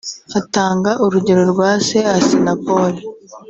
atanga urugero rwa se Assinapol